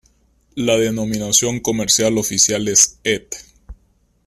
La denominación comercial oficial es Ed.